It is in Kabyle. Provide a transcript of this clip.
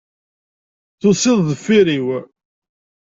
Tusiḍ-d deffir-iw.